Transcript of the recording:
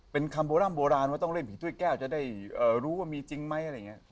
เป็นคำโบร่ำโบราณว่าต้องเล่นผีถ้วยแก้วจะได้รู้ว่ามีจริงไหมอะไรอย่างนี้